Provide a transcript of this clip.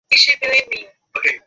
এত কষ্ট করতে হবে না।